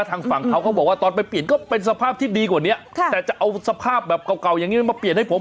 ทางฝั่งเขาก็บอกว่าตอนไปเปลี่ยนก็เป็นสภาพที่ดีกว่านี้ค่ะแต่จะเอาสภาพแบบเก่าเก่าอย่างนี้มาเปลี่ยนให้ผม